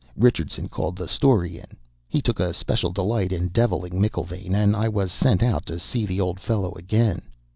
Richardson called the story in; he took a special delight in deviling McIlvaine, and I was sent out to see the old fellow again.